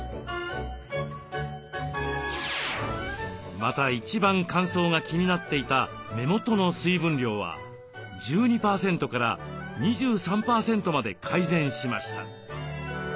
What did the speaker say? また一番乾燥が気になっていた目元の水分量は１２％から２３％まで改善しました。